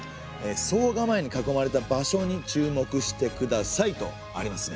惣構に囲まれた場所に注目してくださいとありますね。